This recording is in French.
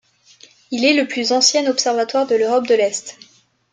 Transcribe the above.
Il est le plus ancien observatoire de l'Europe de l'Est.